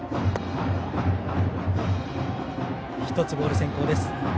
１つ、ボール先行。